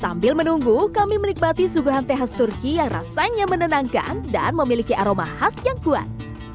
sambil menunggu kami menikmati suguhan teh khas turki yang rasanya menenangkan dan memiliki aroma khas yang kuat